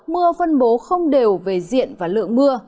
mưa phân bố không đều về diện và lượng mưa